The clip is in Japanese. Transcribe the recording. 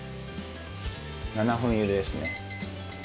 ７分茹でですね。